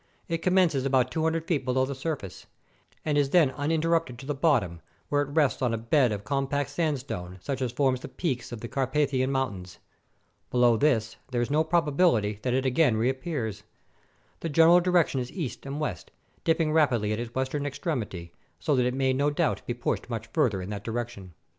It commences about 200 feet below the surface, and is then uninter rupted to the bottom, where it rests on a bed of com pact sandstone, such as forms the peaks of the Car pathian Mountains. Below this, there is no probability 374 THE SALT MINES OF WIELICZKA that it again reappears. The general direction is east and west, dipping rapidly at its western extremity, so that it may no doubt be pushed much farther in that direction.